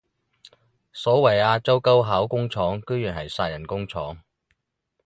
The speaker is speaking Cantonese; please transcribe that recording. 所謂亞洲高考工廠居然係殺人工廠